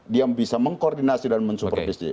dia bisa mengkoordinasi dan mensupervisi